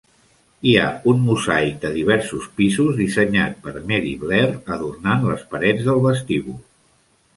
Hi ha un mosaic de diversos pisos dissenyat per Mary Blair adornant les parets del vestíbul.